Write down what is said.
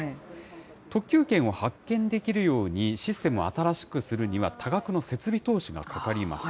特急券を発給できるようにシステムを新しくするには、多額の設備投資がかかります。